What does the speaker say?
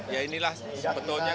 ya inilah sebetulnya